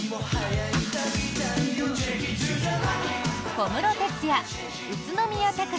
小室哲哉、宇都宮隆